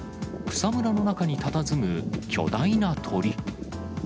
草むらの中にたたずむ巨大な鳥。